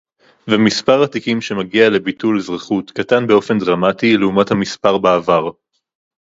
ומספר התיקים שמגיע לביטול אזרחות קטן באופן דרמטי לעומת המספר בעבר